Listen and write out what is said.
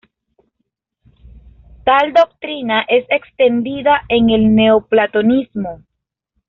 Tal doctrina es extendida en el neoplatonismo.